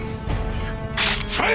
それ！